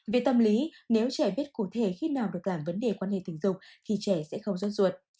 về tâm lý nếu trẻ biết cụ thể khi nào được làm vấn đề quan hệ tình dục thì trẻ sẽ không rót ruột